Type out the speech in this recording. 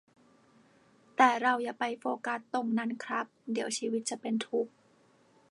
แต่เราอย่าไปโฟกัสตรงนั้นครับ เดี๋ยวชีวิตจะเป็นทุกข์